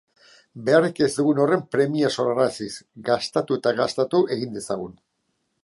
Beharrik ez dugun horren premia sorraraziz, gastatu eta gastatu egin dezagun.